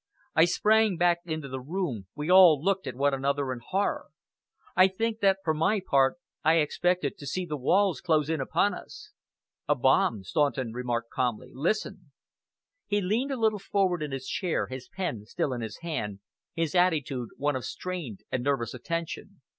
I sprang back into the room, we all looked at one another in horror. I think that for my part I expected to see the walls close in upon us. "A bomb," Staunton remarked calmly. "Listen!" He leaned a little forward in his chair, his pen still in his hand, his attitude one of strained and nervous attention.